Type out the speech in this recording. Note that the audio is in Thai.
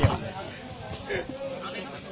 มันเป็นแบบที่สุดท้ายแต่มันเป็นแบบที่สุดท้าย